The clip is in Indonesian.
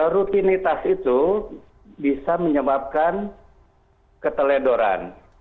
rutinitas itu bisa menyebabkan keteledoran